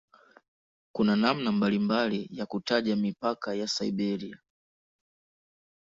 Kuna namna mbalimbali ya kutaja mipaka ya "Siberia".